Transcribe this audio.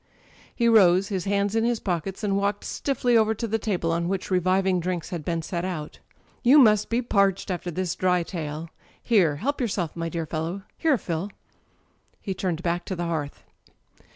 He rose, his hands in his pockets, and walked stiffly [ 272 ] Digitized by LjOOQ IC THE EYES over to the table on which reviving drinks had been set out. "You must be parched after this dry tale. Here, help yourself, my dear fellow. Here, Phil He turned back to the hearth.